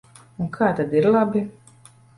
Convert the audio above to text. Un kā tad ir labi?